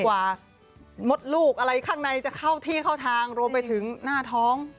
กว่ามดลูกอะไรข้างในจะเข้าที่เข้าทางรวมไปถึงหน้าท้อง